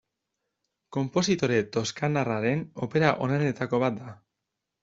Konpositore toskanarraren opera onenetako bat da.